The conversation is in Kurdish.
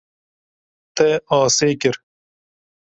Te asê kir.